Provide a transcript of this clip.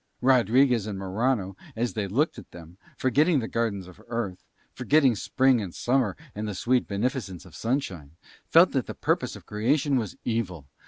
Rodriguez and Morano, as they looked at them, forgetting the gardens of Earth, forgetting Spring and Summer and the sweet beneficence of sunshine, felt that the purpose of Creation was evil!